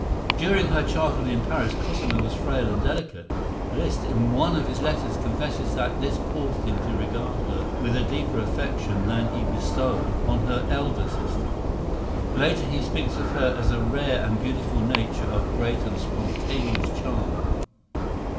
During her childhood in Paris Cosima was frail and delicate. Liszt, in one of his letters, confesses that this caused him to regard her with a deeper affection than he bestowed on her elder sister. Later he speaks of her as a rare and beautiful nature of great and spontaneous charm.